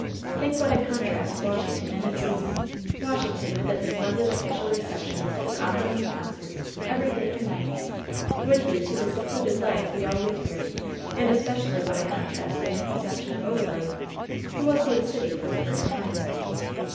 Think what a contrast Washington in its season — ^Washington with its splendid oflBcial receptions, its operas and concerts, every day and night — ^would be to the secluded life we all lead here. And especially what a contrast in the conception of Odalite, who will see the city for the first time."